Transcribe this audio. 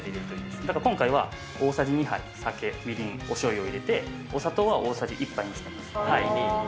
ただ今回は大さじ２杯、酒、みりん、おしょうゆを入れて大さじ１杯にします。